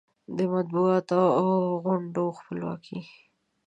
د مطبوعاتو او غونډو خپلواکي